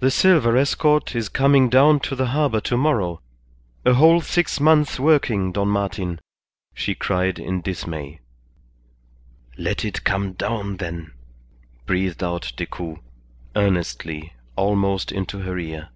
"The silver escort is coming down to the harbour tomorrow; a whole six months' working, Don Martin!" she cried in dismay. "Let it come down, then," breathed out Decoud, earnestly, almost into her ear.